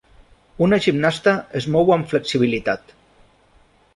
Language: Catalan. Una gimnasta es mou amb flexibilitat.